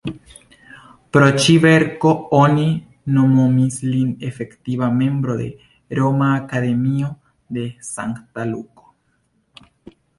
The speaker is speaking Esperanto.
Pro ĉi-verko oni nomumis lin Efektiva membro de "Roma Akademio de Sankta Luko".